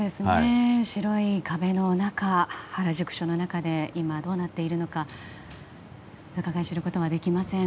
白い壁の中、原宿署の中で今、どうなっているのかうかがい知ることはできません。